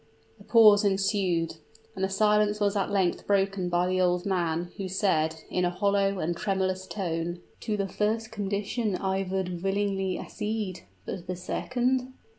A pause ensued; and the silence was at length broken by the old man, who said, in a hollow and tremulous tone, "To the first condition I would willingly accede. But the second?"